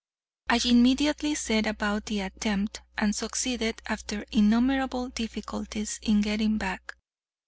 I immediately set about the attempt, and succeeded, after innumerable difficulties, in getting back.